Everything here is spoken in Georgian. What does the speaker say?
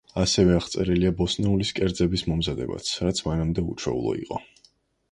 ასევე აღწერილია ბოსტნეულის კერძების მომზადებაც, რაც მანამდე უჩვეულო იყო.